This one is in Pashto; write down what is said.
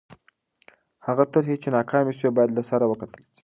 هغه طرحې چې ناکامې سوې باید له سره وکتل سي.